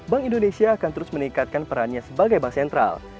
bank indonesia akan terus meningkatkan perannya sebagai bank sentral